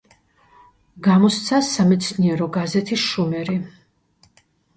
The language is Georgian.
გამოსცა სამეცნიერო გაზეთი „შუმერი“.